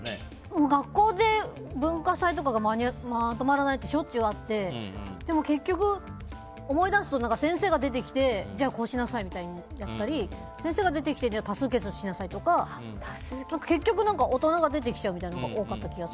学校で文化祭とかがまとまらないってしょっちゅうあってでも結局、思い出すと先生が出てきてこうしなさいみたいに言ったり先生が出てきて多数決しなさいとか結局、大人が出てきちゃうみたいなのが多かった気がする。